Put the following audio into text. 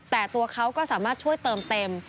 แต่ตัวเขาก็สามารถช่วยเติมเต็ม